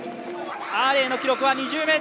アーレイの記録は２０ｍ４９。